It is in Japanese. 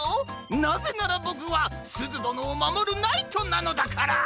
なぜならボクはすずどのをまもるナイトなのだから！